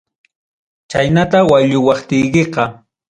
Chaynata waylluwaptikiqa.